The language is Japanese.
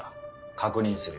確認する。